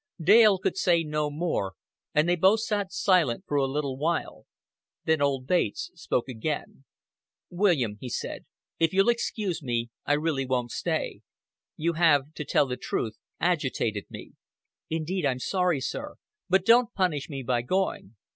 Dale could say no more and they both sat silent for a little while. Then old Bates spoke again. "William," he said, "if you'll excuse me, I really won't stay. You have to tell the truth agitated me." "Indeed I'm sorry, sir. But don't punish me by going."